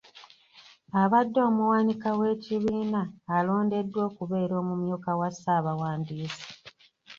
Abadde omuwanika w’ekibiina alondeddwa okubeera omumyuka wa ssaabawandiisi.